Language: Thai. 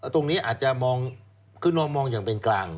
ตรงนี้อาจจะมองอย่างเป็นกลาง